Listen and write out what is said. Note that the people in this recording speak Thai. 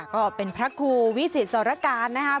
ก็เป็นพระครูวิสิตสรการนะครับ